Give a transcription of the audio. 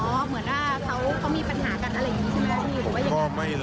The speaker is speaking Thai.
อ๋อเหมือนว่าเขามีปัญหากันอะไรอย่างนี้ใช่ไหมครับพี่หรือว่าอย่างนั้น